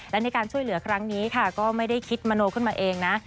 และในการช่วยเหลือครั้งนี้ค่ะก็ไม่ได้คิดมโนขึ้นมาเองนะ